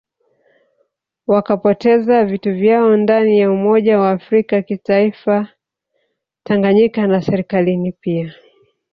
Wakapoteza vitu vyao ndani ya umoja wa afrika kitaifa Tanganyika na Serikalini pia